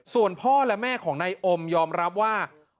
ส่วนพ่อและแม่ของนายอมยอมรับว่า